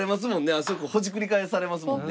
あそこほじくり返されますもんね。